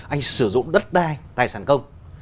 anh sử dụng đất đai tài sản công